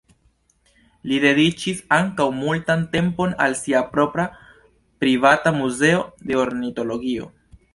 Li dediĉis ankaŭ multan tempon al sia propra privata muzeo de ornitologio.